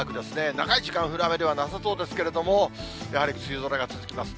長い時間降る雨ではなさそうですけれども、やはり梅雨空が続きます。